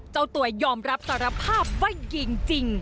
เจ้าตัวยอมรับสารภาพว่ายิงจริง